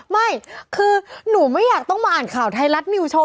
ไม่คือหนูไม่อยากต้องมาอ่านข่าวไทยรัฐนิวโชว